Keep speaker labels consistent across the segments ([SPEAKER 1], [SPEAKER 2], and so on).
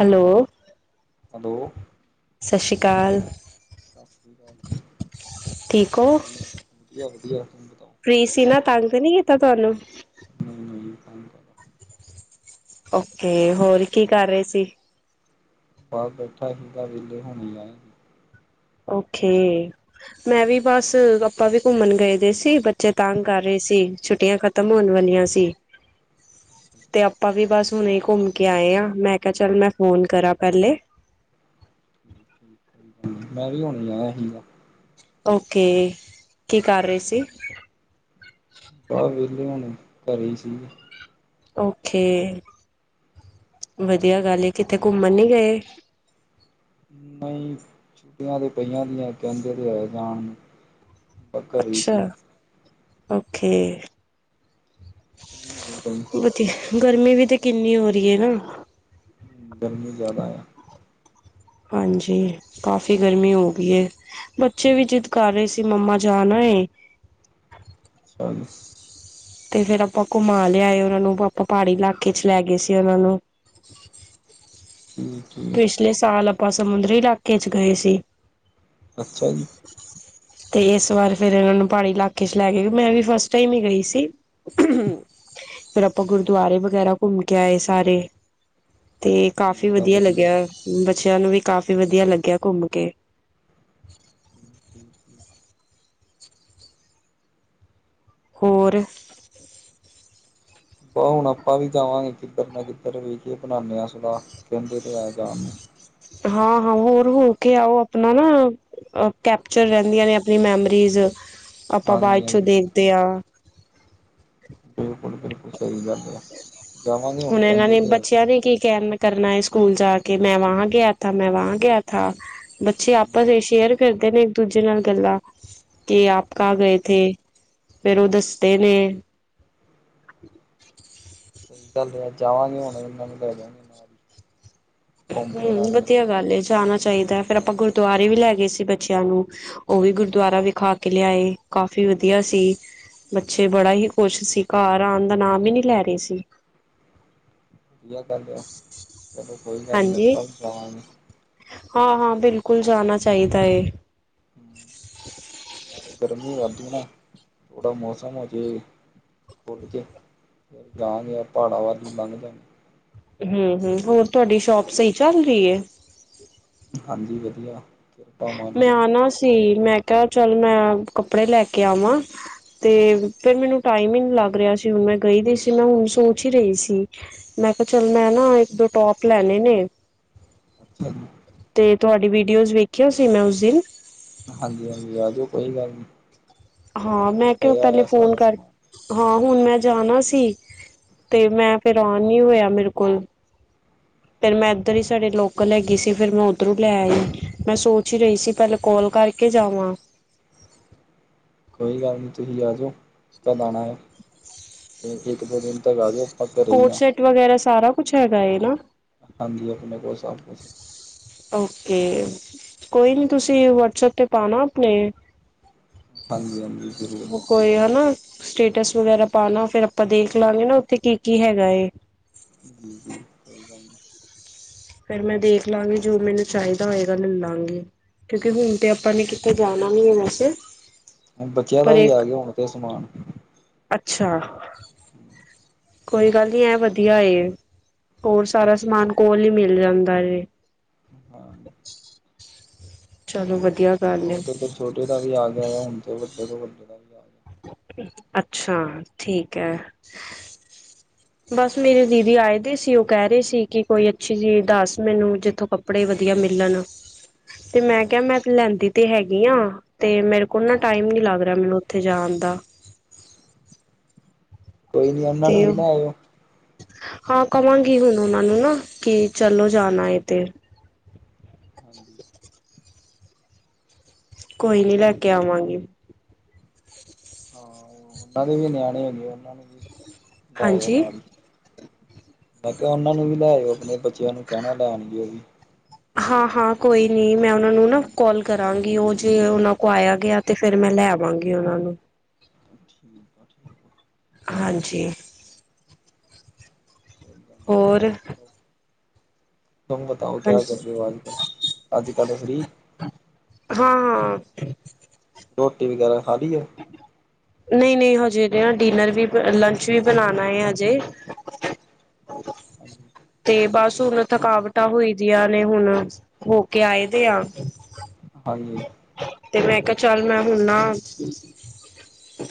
[SPEAKER 1] Hello.
[SPEAKER 2] Hello.
[SPEAKER 1] ਸਤਿ ਸ਼੍ਰੀ ਅਕਾਲ।
[SPEAKER 2] ਸਤਿ ਸ੍ਰੀ ਅਕਾਲ
[SPEAKER 1] ਠੀਕ ਹੋ
[SPEAKER 2] ਜੀ ਵਧੀਆ ਵਧੀਆ ਤੁਸੀ ਸੁਣਾਓ
[SPEAKER 1] ਫ੍ਰੀ ਸੀ ਨਾ, ਤੰਗ ਤੇ ਨਹੀਂ ਕੀਤਾ ਤੁਹਾਨੂੰ।
[SPEAKER 2] ਨਹੀਂ ਨਹੀਂ।
[SPEAKER 1] ਓਕੇ, ਹੋਰ ਕੀ ਕਰ ਰਹੇ ਸੀ।
[SPEAKER 2] ਬਾਹਰ ਬੈਠਾ ਸੀਗਾ, ਵਿਹਲੇ ਹੋਣੇ ਆਏ।
[SPEAKER 1] ਔਕੇ
[SPEAKER 2] ਤੁਸੀਂ ਬਤਾਓ
[SPEAKER 1] ਮੈਂ ਵੀ ਬਸ, ਆਪਾਂ ਵੀ ਘੁੰਮਣ ਗਏ ਦੇ ਸੀ। ਚੇਤਾਂਗ ਕਰ ਰਹੀ ਸੀ,
[SPEAKER 2] ਅੱਛਾ
[SPEAKER 1] ਛੁੱਟੀਆਂ ਖਤਮ ਹੋਣ ਵਾਲੀਆਂ ਸੀ ਤੇ
[SPEAKER 2] ਅੱਛਾ
[SPEAKER 1] ਅਪ ਆਪਾਂ ਵੀ ਬਸ ਹੁਣੇ ਘੁੰਮ ਕੇ ਆਏ ਆਂ, ਮੈਂ ਕਿਹਾ ਚੱਲ ਮੈ ਫੋਨ ਕਰਾਂ ਪਹਿਲੇ।
[SPEAKER 2] ਠੀਕ ਮੈਂ ਵੀ ਹੁਣੇ ਈ ਆਇਆ ਸੀਗਾ।
[SPEAKER 1] ਓਕੇ ਕੀ ਕਰ ਰਹੇ ਸੀ।
[SPEAKER 2] ਆ ਵਿਹਲੇ ਹੋਣੇ ਘਰੇ ਹੀ ਸੀਗੇ।
[SPEAKER 1] ਓਕੇ ਵਧੀਆ ਗੱਲ ਏ, ਕਿਥੇ ਘੁੰਮਣ ਨੀ ਗਏ।
[SPEAKER 2] ਨਹੀਂ ਛੁੱਟੀਆਂ ਤੇ ਪਈਆਂ ਦੀਆਂ, ਕਹਿੰਦੇ ਤੇ ਹੈ ਜਾਣ ਨੂੰ। ਔ ਘਰੇ ਹੀ
[SPEAKER 1] ਅੱਛਾ
[SPEAKER 2] ਸੀ।
[SPEAKER 1] ਓਕੇ।
[SPEAKER 2] ਗਏ ਕਈ।
[SPEAKER 1] ਜੀ ਗਰਮੀ ਵੀ ਤੇ ਕਿੰਨੀ ਹੋ ਰਹੀ ਹੈ ਨਾ।
[SPEAKER 2] ਗਰਮੀ ਜ਼ਿਆਦਾ ਆ।
[SPEAKER 1] ਹਾਂਜੀ ਕਾਫੀ ਗਰਮੀ ਹੋ ਗਈ ਹੈ। ਬੱਚੇ ਵੀ ਜਿੱਦ ਕਰ ਰਹੇ ਸੀ, ਮੰਮਾ ਜਾਣਾ ਏ।
[SPEAKER 2] ਅੱਛਾ ਜੀ।
[SPEAKER 1] ਤੇ ਫੇਰ ਆਪਾਂ ਘੁੰਮਾ ਲਿਆ ਆਏ ਉਹਨਾਂ ਨੂੰ, ਆਪਾਂ ਪਹਾੜੀ ਇਲਾਕੇ ਚ ਲੈ ਗਏ ਸੀ ਉਹਨਾਂ ਨੂੰ।
[SPEAKER 2] ਠੀਕ ਠੀਕ
[SPEAKER 1] ਪਿਛਲੇ ਸਾਲ ਆਪਾਂ ਸਮੁੰਦਰੀ ਇਲਾਕੇ ਚ ਗਏ ਸੀ।
[SPEAKER 2] ਅੱਛਾ ਜੀ।
[SPEAKER 1] ਤੇ ਇਸ ਵਾਰ ਫੇਰ ਇਹਨਾਂ ਨੂੰ ਪਹਾੜੀ ਇਲਾਕੇ ਚ ਲੈ ਕੇ ਗਏ, ਮੈਂ ਵੀ ਫਸਟ ਟਾਈਮ ਹੀ ਗਈ ਸੀ। ਫਿਰ ਆਪਾਂ ਗੁਰਦੁਆਰੇ ਵਗੈਰਾ ਘੁੰਮ ਕੇ ਆਏ ਸਾਰੇ। ਤੇ ਕਾਫ਼ੀ
[SPEAKER 2] ਠੀਕ ਆ
[SPEAKER 1] ਵਧੀਆ ਲੱਗਿਆ ਬੱਚਿਆਂ ਨੂੰ ਵੀ ਕਾਫ਼ੀ ਵਧੀਆ ਲੱਗਿਆ ਘੁੰਮ ਕੇ।
[SPEAKER 2] ਠੀਕ ਠੀਕ ਠੀਕ।
[SPEAKER 1] ਹੋਰ
[SPEAKER 2] ਬ ਹੁਣ ਆਪਾਂ ਵੀ ਜਾਵਾਂਗੇ ਕਿੱਧਰ ਨਾ ਕਿੱਧਰ ਵੇਖੀ ਬਣਾਦੇ ਆ ਸਦਾ ਕਹਿੰਦੇ ਤੇ ਆ ਜਾਣ ਨੂੰ।
[SPEAKER 1] ਹਾਂ ਹਾਂ ਹੋਰ ਹੋ ਕੇ ਆੳ ਆਪਣਾ ਨਾ ਕੈਪਚਰ ਰਹਿੰਦੀਆਂ ਨੇ ਮੈਮਰੀਜ਼ ਆਪਾਂ ਬਾਅਦ
[SPEAKER 2] ਹਾਂਜੀ
[SPEAKER 1] ਚੋਂ
[SPEAKER 2] ਹਾਂਜੀ
[SPEAKER 1] ਦੇਖਦੇ ਹਾਂ।
[SPEAKER 2] ਬਿਲਕੁਲ-ਬਿਲਕੁਲ ਸਹੀ ਗੱਲ ਐ।
[SPEAKER 1] ਹੁਣ ਇਹਨਾਂ ਨੇ ਬੱਚਿਆਂ ਦੀ ਕੀ ਕੈਮ ਕਰਨਾ ਏ ਸਕੂਲ ਜਾ ਕੇ ਮੈਂ ਵਾਂ ਗਿਆਥਾ ਮੈਂ ਵਾ ਗਿਆਥਾ ਬੱਚੇ ਆਪਸ ਇਹ ਸ਼ੇਅਰ ਕਰਦੇ ਨੇ ਇੱਕ ਦੂਜੇ ਨਾਲ ਗੱਲਾਂ ਕਿ ਆਪ ਕਾ
[SPEAKER 2] ਹਾਂ
[SPEAKER 1] ਗਏ ਥੇ ਫੇਰ ਉਹ ਦੱਸ ਦੇ ਨੇ
[SPEAKER 2] ਸਹੀ ਗੱਲ ਹੈ ਅ ਜਾਵਾਂਗੇ ਹੁਣ ਇਹਨਾਂ ਨੂੰ ਲੈ ਜਾਵਾਗੇ ਨਾਲ। ਹੀ ਘੁੰਮ ਫਿਰ
[SPEAKER 1] ਹੂੰ
[SPEAKER 2] ਆਉਣਗੇ
[SPEAKER 1] ਵਧੀਆ ਗੱਲ ਜਾਣਾ ਚਾਹੀਦਾ ਫੇਰ ਆਪਾਂ ਗੁਰਦੁਆਰੇ ਵੀ ਲੈ ਗਏ ਸੀ ਬੱਚਿਆਂ ਨੂੰ। ਔ ਵੀ ਗੁਰਦੁਆਰਾ ਵਿਖਾ ਕੇ ਲਿਆਏ ਕਾਫ਼ੀ ਵਧੀਆ ਸੀ। ਬੱਚੇ ਬੜਾ ਹੀ ਖੂਸ਼ ਸੀ ਘਰ ਆਉਣ ਦਾ ਨਾਮ ਹੀ ਨਹੀਂ ਲੈ ਰਹੇ ਸੀ।
[SPEAKER 2] ਵਧੀਆ ਕਰੱਲ ਐ ਚਲੋ ਕੋਈ ਗੱਲ ਨੀ ਆਪਾਂ ਵੀ ਜਾਵਾਂਗੇ।
[SPEAKER 1] ਹਾਂ ਹਾਂ ਬਿਲਕੁਲ ਜਾਣਾ ਚਾਹੀਦਾ ਏ।
[SPEAKER 2] ਨਾਲੇ ਗਰਮੀ ਵੱਦੂ ਏ ਨਾ ਥੋੜ੍ਹਾ ਮੌਸਮ ਹੋ ਜੇ ਖੁੱਲ ਕੇ। ਫਿਰ ਜਾਗੇ ਪਹਾੜਾਂ ਵਲ ਈ ਲੰਘ ਜਾਣ
[SPEAKER 1] ਹੂੰ-ਹੂੰ ਹੋਰ ਤੁਹਾਡੀ ਸ਼ੋਪ ਸਹੀ ਚੱਲ ਰਹੀ ਏ।
[SPEAKER 2] ਹਾਂਜੀ ਵਧੀਆ। ਕਿਰਪਾ ਮਾਲਕ
[SPEAKER 1] ਮੈਂ
[SPEAKER 2] ਦੀ
[SPEAKER 1] ਆ ਨਾ ਸੀ ਮੈਂ ਕਿਹਾ ਚੱਲ ਮੈਂ ਕੱਪੜੇ ਲੈ ਕੇ ਆਵਾਂ। ਤੇ ਫਿਰ ਮੈਨੂੰ ਟਾਈਮ ਹੀ ਨੀ ਲੱਗ ਰਿਹਾ ਸੀ ਹੁਣ ਮੈਂ ਗਈ ਦੀ ਸੀ ਨਾ ਮੈਂ ਹੁਣ ਸੋਚ ਹੀ ਰਹੀ ਸੀ। ਮੈਂ ਕਿਹਾ ਚੱਲ ਮੈਂ ਨਾ ਇੱਕ-ਦੋ ਟੋਪ ਲੈਣੇ ਨੇ।
[SPEAKER 2] ਅੱਛਾ ਜੀ।
[SPEAKER 1] ਤੇ ਤੁਹਾਡੀ ਵੀਡੀਓਜ਼ ਵੇਖਿਆ ਸੀ ਮੈਂ ਉਸ ਦਿਨ।
[SPEAKER 2] ਹਾਂਜੀ-ਹਾਂਜੀ ਆ ਜਾਓ ਕੋਈ ਗੱਲ ਨਹੀਂ।
[SPEAKER 1] ਹਾਂ ਮੈਂ ਕਿ
[SPEAKER 2] ਪਿਆ
[SPEAKER 1] ਪਹਿਲੇ
[SPEAKER 2] ਹੋਇਆ
[SPEAKER 1] ਫੋਨ
[SPEAKER 2] ਸਾਰਾ
[SPEAKER 1] ਕਰ
[SPEAKER 2] ਸਮਾਨ
[SPEAKER 1] ਹਾਂ ਹੁਣ ਮੈਂ ਜਾਣਾ ਸੀ ਤੇ ਮੈਂ ਫੇਰ ਆਉਣ ਨੀ ਹੋਇਆ ਮੇਰੇ ਕੋਲ। ਫਿਰ ਮੈਂ ਇੱਧਰ ਹੀ ਸਾਡੇ ਲੋਕਲ ਹੈਗੀ ਸੀ ਫ਼ੇਰ ਮੈਂ ਔਧਰੋਂ ਲੈ ਆਈ, ਮੈਂ ਸੋਚ ਹੀ ਰਹੀ ਸੀ ਪਹਿਲੇ ਕਾਲ ਕਰਕੇ ਜਾਵਾਂ।
[SPEAKER 2] ਕੋਈ ਗੱਲ ਨਹੀਂ ਤੁਸੀਂ ਆ ਜਾਓ ਕਦ ਆਣਾ ਹੈ। ਇੱਕ-ਦੋ ਦਿਨ ਤੱਕ ਆ ਜਾਓ। ਘਰੇ ਹੀ
[SPEAKER 1] ਕੋਟ
[SPEAKER 2] ਹਾਂ
[SPEAKER 1] ਸੈਟ ਵਗੈਰਾ ਸਾਰਾ ਕੁਛ ਹੈਗਾ ਏ ਨਾ।
[SPEAKER 2] ਹਦੀ ਆਪਣੇ ਕੋਹੁ ਸਾਬ ਮੁਛੇ, [unintelligible]
[SPEAKER 1] ਓਕੇ ਕੋਈ ਨਹੀਂ ਤੁਸੀਂ ਵਟਸਐਪ ਤੇ ਪਾਣਾ ਆਪਣੇ
[SPEAKER 2] ਹਾਂਜੀ-ਹਾਂਜੀ ਜ਼ਰੂਰ।
[SPEAKER 1] ਕੋਈ ਹਨਾ ਸਟੇਟਸ ਵਗੈਰਾ ਪਾਣਾ ਫੇਰ ਆਪਾਂ ਦੇਖ ਲਾਂਗੇ ਨਾ ਉੱਥੇ ਕੀ ਕੀ ਹੈਗਾ ਏ।
[SPEAKER 2] ਜੀ-ਜੀ ਸਈ ਗੱਲ।
[SPEAKER 1] ਫੇਰ ਮੈਂ ਦੇਖ ਲਾਂਗੀ ਜੋ ਮੈਨੂੰ ਚਾਹੀਦਾ ਹੋਏਗਾ ਲਲਾਂਗੀ। ਕਿਉਂਕਿ ਹੁਣ ਤੇ ਆਪਾਂ ਨੇ ਕਿਤੇ ਜਾਣਾ ਨੀ ਵੈਸੇ।
[SPEAKER 2] ਹੁਣ ਬੱਚਿਆਂ
[SPEAKER 1] ਪਰ
[SPEAKER 2] ਦਾ ਵੀ ਆ
[SPEAKER 1] ਇੱਕ
[SPEAKER 2] ਗਿਆ ਹੁਣ ਤੇ ਸਮਾਨ।
[SPEAKER 1] ਅੱਛਾ ਕੋਈ ਗੱਲ ਨੀ ਐ ਵਧੀਆ ਏ ਹੋਰ ਸਾਰਾ ਸਮਾਨ ਕੋਲ ਹੀ ਮਿਲ ਜਾਂਦਾ ਏ।
[SPEAKER 2] ਹੂੰ ਹਾ।
[SPEAKER 1] ਚਲੋ ਵਧੀਆ। ਗੱਲ ਏ।
[SPEAKER 2] ਛੋਟੇ ਤੋਂ ਛੋਟੇ ਦਾ ਵੀ ਆ ਗਿਆ ਹੁਣ ਤੇ ਵੱਡੇ ਤੋਂ ਵੱਡੇ ਦਾ ਵੀ ਆਗਿਆ।
[SPEAKER 1] ਅੱਛਾ, ਠੀਕ ਹੈ। ਬਸ ਮੇਰੀ ਦੀਦੀ ਆਏ ਦੇ ਸੀ ਉਹ ਕਹਿ ਰਹੇ ਸੀ ਕਿ ਕੋਈ ਅੱਛੀ ਚੀਜ਼ ਦੱਸ ਮੈਨੂੰ ਜਿੱਥੋਂ ਕਪ ਕੱਪੜੇ ਵਧੀਆ ਮਿਲਣ ਤੇ ਮੈਂ ਕਿਹਾ
[SPEAKER 2] ਅੱਛਾ
[SPEAKER 1] ਮੈਂ ਲੈਂਦੀ- ਤੇ ਹੈਗੀ ਆ, ਤੇ ਮੇਰੇ ਕੋਲ ਨਾ ਟਾਈਮ ਨੀ ਲੱਗ ਰਿਹਾ ਮੈਨੂੰ ਉੱਥੇ ਜਾਣ ਦਾ।
[SPEAKER 2] ਕੋਈ ਨੀ ਇਨਾਂ ਨੂੰ
[SPEAKER 1] ਤੇ
[SPEAKER 2] ਵੀ ਲੈਇਓ।
[SPEAKER 1] ਹਾਂ, ਕਵਾਂਗੀ ਹੁਣ ਉਹਨਾਂ ਨੂੰ ਨਾ ਕਿ ਚਲੋ ਜਾਣਾ ਏ ਤੇ।
[SPEAKER 2] ਹਾਂਜੀ।
[SPEAKER 1] ਕੋਈ ਨੀ ਲੈਕੇ ਆਵਾਂਗੀ।
[SPEAKER 2] ਹਾਂ, ਉਹਨਾਂ ਦੇ ਵੀ ਨਿਆਣੇ ਹੈਗੇ ਉਨਾਂ ਨੂੰ ਵੀ ਲੈ ਆਇਓ
[SPEAKER 1] ਹਾਂਜੀ
[SPEAKER 2] ਨਾਲ ਹੀ। ਮੈ ਕਿਹਾ ਉਹਨਾਂ ਨੂੰ ਵੀ ਲੈ ਆਇਓ, ਆਪਣੇ ਬੱਚਿਆਂ ਨੂੰ ਕਹਿਣਾ ਲੈਣਗੇ ਉਹ ਵੀ।
[SPEAKER 1] ਹਾਂ-ਹਾਂ ਕੋਈ ਨੀ, ਮੈਂ ਉਹਨਾਂ ਨੂੰ ਨਾ ਕੋਲ ਕਰਾਂਗੀ ਉਹ ਜੇ ਉਨਾਂ ਕੋਲ ਆਇਆ-ਗਿਆ ਤੇ ਫਿਰ ਮੈਂ ਲੈ ਆਵਾਂਗੀ ਉਨਾਂ ਨੂੰ।
[SPEAKER 2] ਠੀਕ ਆ-ਠੀਕ ਆ।
[SPEAKER 1] ਹਾਂਜੀ।
[SPEAKER 2] ਕੋਈ [unintelligible]
[SPEAKER 1] ਹੋਰ
[SPEAKER 2] ਤੁਮ ਬਤਾਓ ਕਿਆ ਕਰ
[SPEAKER 1] ਹਾਂਜੀ
[SPEAKER 2] ਰਹੇ ਹੋ ਅੱਜ-ਕੱਲ? ਅੱਜ-ਕੱਲ ਫਰੀ।
[SPEAKER 1] ਹਾਂ-ਹਾਂ।
[SPEAKER 2] ਰੋਟੀ ਵਗੈਰਾ ਖਾ ਲੀਏ।
[SPEAKER 1] ਨਹੀਂ-ਨਹੀਂ, ਹਜੇ ਤਾ ਡਿਨਰ ਵੀ ਲੰਚ ਵੀ ਬਣਾਣਾ ਹੈ ਹਜੇ। ਅ [unintelligible]
[SPEAKER 2] ਹਾਂਜੀ।
[SPEAKER 1] ਤੇ ਬਸ ਹੁਣ ਥਕਾਵਟਾਂ ਹੋਈ ਦੀਆਂ ਨੇ ਹੁਣ, ਹੋਕੇ ਆਏ ਦੇਆ।
[SPEAKER 2] ਹਾਂਜੀ।
[SPEAKER 1] ਤੇ ਮੈਂ ਕਿਹਾ ਚੱਲ ਮੈਂ ਹੁਨ ਨਾ।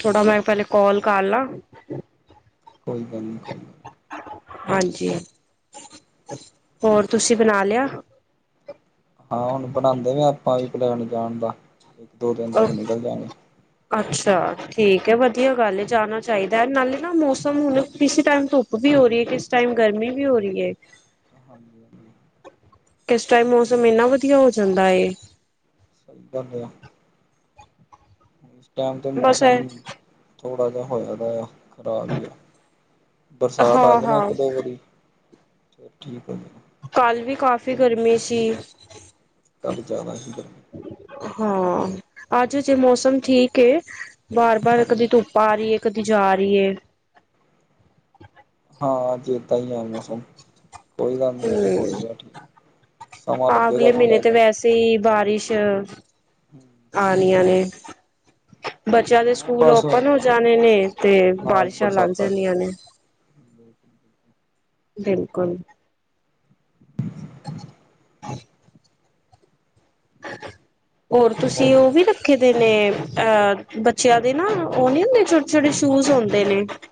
[SPEAKER 1] ਥੋੜਾ ਮੈਂ ਪਹਿਲੇ ਕਾਲ ਕਰ ਲਾ।
[SPEAKER 2] ਕੋਈ ਗੱਲ ਨੀ ਕੋਈ ਗੱਲ
[SPEAKER 1] ਹਾਂਜੀ, ਹੋਰ ਤੁਸੀਂ ਬਣਾ ਲਿਆ।
[SPEAKER 2] ਹਾਂ, ਹੁਣ ਬਣਾਦੇ ਪਿਆ ਆਪਾਂ ਵੀ ਪਲੈਨ ਜਾਣ ਦਾ, ਇੱਕ-ਦੋ ਦਿਨ ਤੱਕ ਨਿਕਲ ਜਾਗੇ।
[SPEAKER 1] ਅੱਛਾ, ਠੀਕ ਹੈ, ਵਧੀਆ ਗੱਲ ਏ ਜਾਣਾ ਚਾਹੀਦਾ ਹੈ ਨਾਲੇ ਨਾ ਮੌਸਮ ਹੁਣ ਕਿਸੇ ਟਾਈਮ ਧੁ ਧੁੱਪ ਵੀ ਹੋ ਰਹੀ ਹੈ ਕਿਸ ਟਾਈਮ ਗਰਮੀ ਵੀ ਹੋ ਰਹੀ।
[SPEAKER 2] ਹਾਂਜੀ ਹਾਂਜੀ
[SPEAKER 1] ਕਿਸ ਟਾਈਮ ਮੌਸਮ ਇੰਨਾ ਵਧੀਆ ਹੋ ਜਾਂਦਾ ਏ।
[SPEAKER 2] ਸਹੀ ਕਹਿਦੇ ਆ, ਇਸ ਟਾਈਮ ਤੇ
[SPEAKER 1] ਬਸ ਹੈ
[SPEAKER 2] ਮੌਸਮ ਥੋੜਾ ਜਿਹਾ ਹੋਇਆ ਦਾ। ਖਰਾਬ ਵੀ ਆ, ਬਰਸਾਤ ਆ
[SPEAKER 1] ਹਾਂ
[SPEAKER 2] ਜਾਏ ਨਾ
[SPEAKER 1] ਹਾਂ
[SPEAKER 2] ਇੱਕ-ਦੋ ਵਾਰੀ ਫਿਰ ਠੀਕ ਹੋ ਜਾਏ।
[SPEAKER 1] ਕੱਲ੍ਹ ਵੀ ਕਾਫ਼ੀ ਗਰਮੀ ਸੀ।
[SPEAKER 2] ਕੱਲ ਜ਼ਿਆਦਾ ਸੀ ਗਰਮੀ।
[SPEAKER 1] ਹਾਂ, ਅੱਜ ਜੇ ਮੌਸਮ ਠੀਕ ਹੈ ਬਾਰ-ਬਾਰ
[SPEAKER 2] ਹਾਂਜੀ।
[SPEAKER 1] ਕਦੀ ਧੁੱਪ ਆ ਰਹੀਏ ਕਦੀ ਜਾ ਰਹੀਏ।
[SPEAKER 2] ਹਾਂ, ਏਦਾਂ ਹੀ ਹੈ ਮੌਸਮ। ਕੋਈ ਗੱਲ ਨੀ ਇਹ ਤੇ ਹੋ
[SPEAKER 1] ਹਮ
[SPEAKER 2] ਜਾਏਗਾ ਠੀਕ ਸਮਾਂ ਲੱਗੇਗਾ
[SPEAKER 1] ਅਗਲੇ ਮਹੀਨੇ
[SPEAKER 2] ਥੋੜਾ ਜਿਹਾ।
[SPEAKER 1] ਵੈਸੇ ਤੇ ਬਾਰਿਸ਼
[SPEAKER 2] ਹੂੰ।
[SPEAKER 1] ਆਣੀਆਂ ਨੇ ਬੱਚਿਆਂ ਦੇ
[SPEAKER 2] ਹਾਂ
[SPEAKER 1] ਸਕੂਲ
[SPEAKER 2] ਬਸ
[SPEAKER 1] ਓਪਨ ਹੋ ਜਾਣੇ ਨੇ, ਤੇ ਬਾਰਿਸ਼ਾਂ ਲੱਗ ਜਾਂਦੀਆਂ ਨੇ।
[SPEAKER 2] ਬਿਲਕੁਲ, ਬਿਲਕੁਲ।
[SPEAKER 1] ਬਿਲਕੁਲ ਹਾਂ। ਹੋਰ, ਤੁਸੀਂ ਉਹ ਵੀ ਰੱਖ ਦੇ ਨੇ, ਅ ਬੱਚਿਆਂ ਦੇ ਨਾ ਉਹ ਨਹੀਂ ਹੁੰਦੇ, ਛੋਟੇ-ਛੋਟੇ ਸ਼ੂਜ ਹੁੰਦੇ ਨੇ ਹ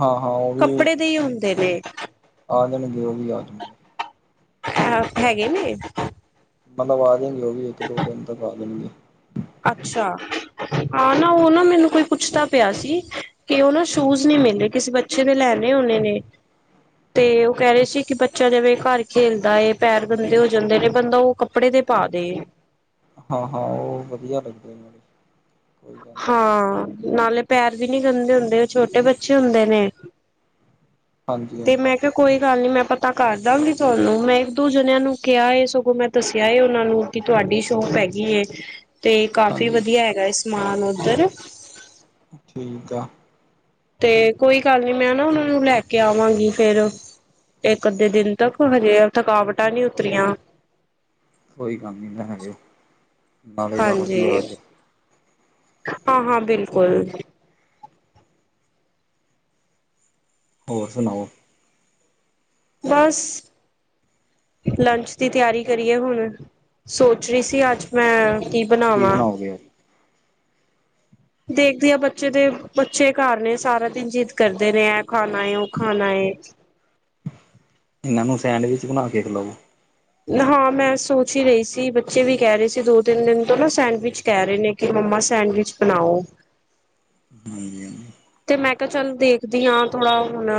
[SPEAKER 2] ਹਾਂ ਹਾਂ ਉਹ ਵੀ, ਆ ਜਾਣਗੇ, ਉਹ ਵੀ ਆ ਜਾਣ।
[SPEAKER 1] ਅ, ਹੈੈਗੇ ਨੇ?
[SPEAKER 2] ਮੰਗਵਾ ਦਾਂਗੇ, ਉਹ ਵੀ ਇੱਕ ਦੋ ਦਿਨ ਤੱਕ ਆ ਜਾਣਗੇ।
[SPEAKER 1] ਅੱਛਾ, ਹਾਂ ਨਾ ਉਹ ਨਾ, ਮੈਨੂੰ ਕੋਈ ਪੁੱਛਦਾ ਪਿਆ ਸੀ। ਕਿ ਉਹ ਨਾ ਸ਼ੂਜ ਨਹੀਂ ਮਿਲੇ, ਕਿਸੇ ਬੱਚੇ ਨੇ ਲੈਣੇ ੳਨੇ ਨੇ। ਤੇ ਉਹ ਕਹਿ ਰਹੇ ਸੀ, ਕਿ ਬੱਚਾ ਜਿਵੇਂ ਘਰ ਖੇਲਦਾ ਹੈ, ਪੈਰ ਗੰਦੇ ਹੋ ਜਾਂਦੇ ਨੇ, ਬੰਦਾ ਉਹ ਕੱ ਕੱਪੜੇ ਦੇ ਪਾ ਦੇ।
[SPEAKER 2] ਹਾਂ ਹਾਂ, ਉਹ ਵਧੀਆ ਲੱਗਦੇ ਨੇ।
[SPEAKER 1] ਹਾਂ, ਨਾਲੇ ਪੈਰ ਵੀ ਨੀ ਗੰਦੇ ਹੁੰਦੇ, ਉਹ ਛੋਟੇ ਬੱਚੇ ਹੁੰਦੇ ਨੇ।
[SPEAKER 2] ਹਾਂਜੀ ਹਾਂਜੀ
[SPEAKER 1] ਤੇ ਮੈਂ ਕਿਹਾ ਕੋਈ ਗੱਲ ਨੀ, ਮੈਂ ਪਤਾ ਕਰ ਦਾਂਗੀ ਤੁਹਾਨੂੰ, ਮੈਂ ਇੱਕ ਦੋ ਜਣਿਆਂ ਨੂੰ ਕਿਹਾ ਏ, ਇਹ ਸਗੋਂ ਮੈਂ ਦੱਸਿਆ ਉਹਨਾਂ ਨੂੰ, ਕਿ ਤੁਹਾਡੀ ਸ਼ੋਪ ਹੈਗੀ। ਤੇ ਕਾਫੀ,
[SPEAKER 2] ਹਾਂਜੀ
[SPEAKER 1] ਵਧੀਆ ਹੈਗਾ ਏ ਸਮਾਨ ਉੱਧਰ।
[SPEAKER 2] ਠੀਕ ਆ।
[SPEAKER 1] ਤੇ ਕੋਈ ਗੱਲ ਨੀ, ਮੈਂ ਨਾ ਉਹਨਾਂ ਨੂੰ ਲੈ ਕੇ ਆਵਾਂਗੀ ਫੇਰ। ਇਕ ਅੱਧੇ ਦਿਨ ਤੱਕ, ਹਜੇ ਥਕਾਵਟਾਂ ਨੀ ਉਤਰੀਆਂ।
[SPEAKER 2] ਕੋਈ ਕੰਮ ਨੀ ਨਾ ਹੈਗੇ, ਨਾਲੇ ਆਪ
[SPEAKER 1] ਹਾਂਜੀ
[SPEAKER 2] ਹੀ ਆ ਜੇ।
[SPEAKER 1] ਹਾਂ ਹਾਂ, ਬਿਲਕੁਲ।
[SPEAKER 2] ਹੋਰ ਸੁਣਾਓੋ?
[SPEAKER 1] ਬਸ ਲੰਚ ਦੀ ਤਿਆਰੀ ਕਰੀਏ ਹੁਣ, ਸੋਚ ਰਹੀ ਸੀ ਅੱਜ ਮੈਂ, ਕੀ ਬਣਾਵਾਂ।
[SPEAKER 2] ਬਣਾਓਗੇ ਅੱਜ
[SPEAKER 1] ਦੇਖਦੀ ਆ ਬੱਚੇ ਦੇ, ਬੱਚੇ ਘਰ ਨੇ ਸਾਰਾ ਦਿਨ ਜਿੱਦ ਕਰਦੇ ਨੇ, ਇਹ ਖਾਣਾ, ਉਹ ਖਾਣਾ ਹੈ।
[SPEAKER 2] ਇਹਨਾਂ ਨੂੰ ਸੈਂਡਵਿਚ ਬਣਾ ਕੇ ਖਿਲਾਓ
[SPEAKER 1] ਹਾਂ ਮੈਂ ਸੋਚ ਹੀ ਰਹੀ ਸੀ, ਬੱਚੇ ਵੀ ਕਹਿ ਰਹੇ ਸੀ ਦੋ, ਤਿੰਨ ਦਿਨ ਤੋਂ ਨਾ, ਸੈਂਡਵਿਚ ਕਹਿ ਰਹੇ ਨੇ ਕਿ, ਮੰਮਾ ਸੈਂਡਵਿਚ ਬਣਾਓ
[SPEAKER 2] ਹਾਂਜੀ ਹਾਂਜੀ
[SPEAKER 1] ਤੇ 'ਮੈਂ ਕਿਹਾ ਚੱਲ, ਦੇਖਦੀ ਹਾਂ ਥੋੜਾ ਹੁਣ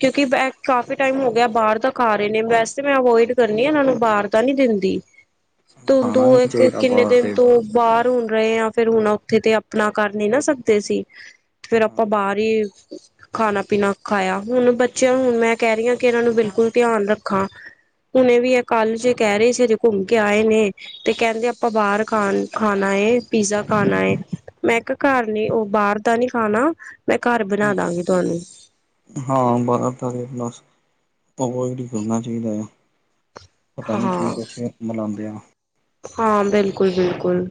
[SPEAKER 1] ਕਿਉਂਕਿ 'ਏ ਕਾਫੀ ਟਾਈਮ ਹੋ ਗਿਆ, ਬਾਹਰ ਦਾ ਖਾ ਰਹੇ ਨੇ। ਵੈਸੇ ਮੈਂ ਅਵੋਇਡ ਕਰਨੀ, ਇਨਾ ਨੂੰ ਬਾਹਰ ਦਾ ਨੀ ਦਿੰਦੀ। ਟੋਨ ਤੋਂ
[SPEAKER 2] ਖਾਣਾ
[SPEAKER 1] ਇਹ
[SPEAKER 2] ਵੀ
[SPEAKER 1] ਇੱਥੇ,
[SPEAKER 2] ਚਾਹੀਦਾ
[SPEAKER 1] ਕਿੰਨੇ
[SPEAKER 2] ਬਾਹਰ
[SPEAKER 1] ਦਿਨ
[SPEAKER 2] ਤੇ
[SPEAKER 1] ਤੋਂ ਬਾਹਰ ਹੁਣ ਰਹੇ ਆ, ਫਿਰ ਹੁਣ ਉੱਥੇ ਤੇ ਆਪਣਾ, ਕਰ ਨੀ ਨਾ ਸਕਦੇ ਸੀ। ਫੇਰ ਆਪਾਂ,
[SPEAKER 2] ਹਾਂਜੀ
[SPEAKER 1] ਬਾਹਰ ਹੀ ਖਾਣਾ ਪੀਣਾ ਖਾਆ, ਹੁਣ ਬੱਚਿਆਂ ਹੁਣ ਮੈਂ ਕਹਿ ਰਹੀ ਹਾਂ, ਕਿ ਇਹਨਾਂ ਨੂੰ ਬਿਲਕੁਲ ਧਿਆਨ ਰੱਖਾਂ ਹੁਣੇ ਵੀ ਇਹ ਕੱਲ 'ਚੇ ਕਹਿ ਰਹੇ ਸੀ, ਅਜੇ ਘੁੰਮ ਕੇ ਆਏ ਨੇ। ਤੇ ਕਹਿੰਦੇ, ਆਪਾਂ ਬਾਹਰ ਖਾਨ-ਖਾਣਾ ਏ। ਪੀਜ਼ਾ ਖਾਣਾ ਏ, ਮੈਂ ਕਿਹਾ ਘਰ ਨੇ ਉਹ ਬਾਹਰ ਆਪਣਾ, ਮੈਂ ਘਰ ਬਣਾ ਦਾਂਗੀ ਤੁਹਾਨੂੰ।
[SPEAKER 2] ਹਾਂ ਬਾਹਰ ਤਾ ਤੇ ਬਸ, ਅਵੋਇਡ ਹੀ ਕਰਨਾ ਚਾਹੀਦਾ ਆ। ਪਤਾ ਨਹੀਂ ਕੀ
[SPEAKER 1] ਹਾਂ
[SPEAKER 2] ਕੁਛ ਏ ਮਿਲਾਉਂਦੇ ਆਂ
[SPEAKER 1] ਹਾਂ ਬਿਲਕੁਲ-ਬਿਲਕੁਲ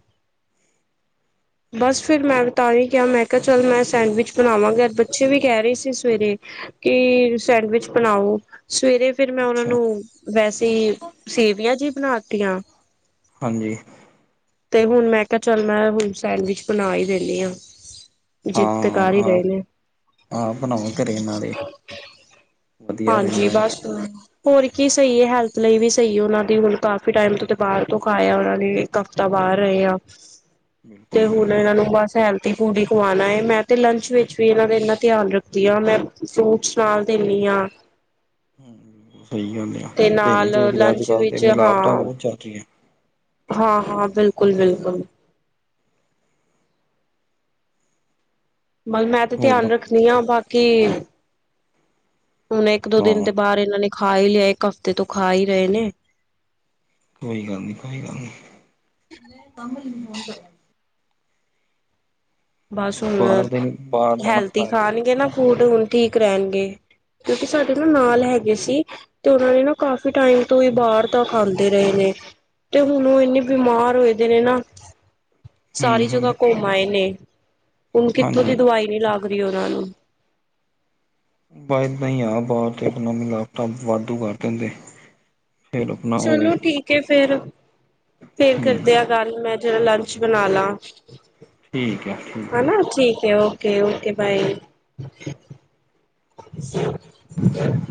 [SPEAKER 1] ਬਸ ਫੇਰ ਮੈਂ ਤਾਹੀ ਕਿਹਾ ਮੈਂ ਕਿਹਾ ਚੱਲ ਮੈਂ ਸੈਂਡਵਿਚ ਬਣਾਵਾਂਗੇ ਬ ਬਚੇ ਵੀ ਕਹਿ ਰਹੇ ਸੀ ਸਵੇਰੇ ਕਿ ਸੈਂਡਵਿਚ ਬਣਾਓ ਸਵੇਰੇ ਫਿਰ ਮੈਂ ਉਹਨਾਂ
[SPEAKER 2] ਅੱਛਾ
[SPEAKER 1] ਨੂੰ ਵੈਸੇ ਸੇਵੀਆਂ ਜੀ ਬਣਾਤੀਆਂ
[SPEAKER 2] ਹਾਂਜੀ
[SPEAKER 1] ਤੇ ਹੁਣ 'ਮੈਂ ਕਿਹਾ ਚੱਲ ਮੈਂ ਹੁਣ ਸੈਂਡਵਿਚ ਬਣਾ ਹੀ ਦੇਨੀ ਆਂ ਜਿੱਦ ਤੇ ਕਰ ਹੀ ਰਹੇ ਨੇ
[SPEAKER 2] ਹਾਂ ਬਨਾਉ ਘਰੇ ਇਹਨਾਂ ਦੇ
[SPEAKER 1] ਹਾਂਜੀ ਬਸ ਹੋਰ ਕੀ ਸਹੀ ਏ ਹੈਲਥ ਲਈ ਵੀ ਸਹੀ ਉਹਨਾਂ ਦੀ ਹੁਣ ਕ ਟਾਈਮ ਤੋਂ ਬਾਹਰ ਤੋਂ ਖਾਇਆ ਉਹਨਾ ਨੇ ਇੱਕ ਹਫਤਾ ਬਾਹਰ ਰਹੇ ਆ
[SPEAKER 2] ਬਿਲਕੁਲ
[SPEAKER 1] ਤੇ ਹੁਣ
[SPEAKER 2] ਬਿਲਕੁਲ
[SPEAKER 1] ਇਹਨਾਂ ਨੂੰ ਬਸ ਹੈਲ ਦੀ ਫ਼ੂਡ ਹੀ ਖਵਾਉਣਾ ਏ ਮੈਂ ਤੇ ਲੰਚ ਵਿੱਚ ਵੀ ਇਹਨਾਂ ਦਾ ਇੰਨਾ ਧਿਆਨ ਰੱਖਦੀ ਹਾਂ ਮੈਂ ਫਰੂਟਸ ਨਾਲ ਦਿੰਨੀ ਆਂ
[SPEAKER 2] ਹਮੁ ਸਹੀ ਗੱਲ ਆ
[SPEAKER 1] ਤੇ
[SPEAKER 2] ਦੇਣੀ
[SPEAKER 1] ਨਾਲ
[SPEAKER 2] ਚਾਹੀਦੀ ਅੱਜ
[SPEAKER 1] ਲੰਚ
[SPEAKER 2] ਕੱਲ ਤੇ
[SPEAKER 1] ਵਿੱਚ
[SPEAKER 2] ਮਿਲਾਵਟਾਂ ਬਹੁਤ ਚਲ ਰਹੀਆਂ
[SPEAKER 1] ਹਾਂ-ਹਾਂ ਬਿਲਕੁਲ-ਬਿਲਕੁਲ ਪਰ ਮੈਂ ਤੇ ਧਿਆਨ
[SPEAKER 2] ਹੋਰ
[SPEAKER 1] ਰੱਖਣੀ ਆਂ ਬਾਕੀ ਹੁਣ ਇੱਕ ਦੋ ਦਿਨ
[SPEAKER 2] ਹਾਂ
[SPEAKER 1] ਦੇ ਬਾਹਰ ਇਹਨਾਂ ਨੇ ਖਾ ਹੀ ਲਿਆ ਇੱਕ ਹਫ਼ਤੇ ਤੋਂ ਖਾ ਹੀ ਰਹੇ ਨੇ
[SPEAKER 2] ਕੋਈ ਗੱਲ ਨੀ ਕੋਈ ਗੱਲ ਨੀ
[SPEAKER 1] ਬਸ
[SPEAKER 2] ਨਹੀਂ
[SPEAKER 1] ਹੁਣ
[SPEAKER 2] ਬਾਹਰ ਦੇ ਨੀ ਬਾਹਰ ਦਾ ਨਾ
[SPEAKER 1] ਹੈਲਦੀ
[SPEAKER 2] ਖਾਇਆ
[SPEAKER 1] ਖਾਣਗੇ ਨਾ ਫੂਡ ਹੁਣ ਠੀਕ
[SPEAKER 2] ਕਰੋ
[SPEAKER 1] ਰਹਿਣਗੇ ਕਿਉਂਕਿ ਸਾਡੇ ਨਾ ਨਾਲ ਹੈਗੇ ਸੀ ਤੇ ਉਹਨਾਂ ਨੇ ਨਾ ਕਾਫ਼ੀ ਟਾਈਮ ਤੋਂ ਹੀ ਬਾਹਰ ਦਾ ਖਾਂਦੇ ਰਹੇ ਨੇ ਤੇ ਹੁਣ ਉਹ ਇੰਨੀ ਬਿਮਾਰ ਹੋਏ ਦੇ ਨੇ ਨਾ
[SPEAKER 2] ਹੂੰ
[SPEAKER 1] ਸਾਰੀ ਜਗ੍ਹਾ
[SPEAKER 2] ਹੂੰ
[SPEAKER 1] ਘੁੰਮ ਆਏ ਨੇ ਹੁਣ ਕਿੱਥੋਂ
[SPEAKER 2] ਹਾਂਜੀ
[SPEAKER 1] ਦੀ ਦਵਾਈ ਨੀ ਲੱਗ ਰਹੀ ਉਹਨਾਂ ਨੂੰ
[SPEAKER 2] ਬਾਇ ਏਦਾਂਈ ਆ ਬਾਹਰ ਤੇ ਆਪਣਾ ਮਿਲਾਵਟਾਂ ਵਾਧੂ ਕਰ ਦਿੰਦੇ ਫਿਰ ਆਪਣਾ ਉਹ
[SPEAKER 1] ਚਲੋ ਠੀਕ ਏ ਫੇਰ-ਫੇਰ
[SPEAKER 2] ਹੂੰ
[SPEAKER 1] ਕਰਦੇ ਆ ਰ ਮੈਂ ਜਿਹੜਾ ਲੰਚ ਬਣਾ ਲਾ
[SPEAKER 2] ਠੀਕ ਆ ਠੀਕ
[SPEAKER 1] ਹਨਾ
[SPEAKER 2] ਆ
[SPEAKER 1] ਠੀਕ ਹੈ ਉਹ ਓਕੇ-ਓਕੇ ਬਾਏ
[SPEAKER 2] [inaudible]
[SPEAKER 1] [inaudible]